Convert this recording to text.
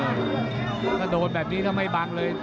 น่ะโดนแบบนี้ยังทำไมบ้างเลย